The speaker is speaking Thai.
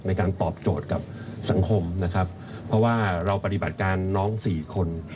ในการตอบโจทย์กับสังคมนะครับเพราะว่าเราปฏิบัติการน้องสี่คน